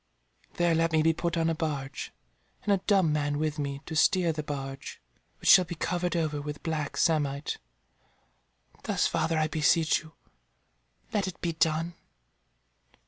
There let me be put on a barge, and a dumb man with me, to steer the barge, which shall be covered over with black samite. Thus, father, I beseech you, let it be done."